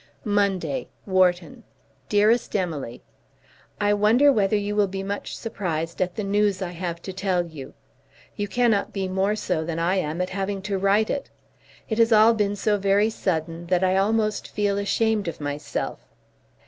Monday, Wharton. DEAREST EMILY, I wonder whether you will be much surprised at the news I have to tell you. You cannot be more so than I am at having to write it. It has all been so very sudden that I almost feel ashamed of myself.